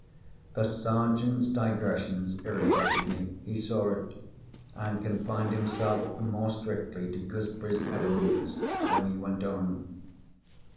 The Sergeant's digressions irritated me. He saw it; and confined himself more strictly to Gooseberry's evidence when he went on.